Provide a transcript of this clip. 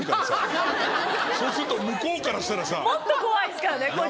そうすると向こうからしたらさヤバいよね。